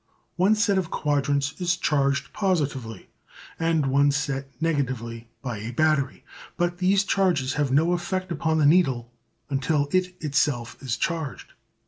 One set of quadrants is charged positively, and one set negatively, by a battery, but these charges have no effect upon the needle until it is itself charged.